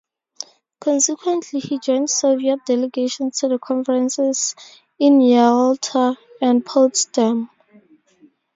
Consequently, he joined Soviet delegations to the conferences in Yalta and Potsdam.